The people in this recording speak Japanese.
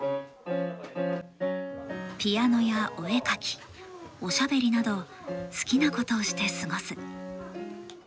ピアノやお絵描きおしゃべりなど好きなことをして過ごす。